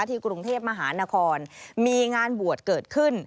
กรุงเทพมหานครมีงานบวชเกิดขึ้น